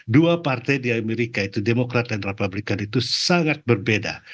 dua partai di amerika itu demokrat dan republikan itu sangat berbeda